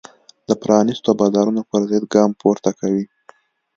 د پرانیستو بازارونو پرضد ګام پورته کوي.